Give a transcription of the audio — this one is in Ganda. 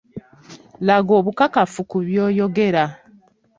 Laga obukakafu ku by'oyogera.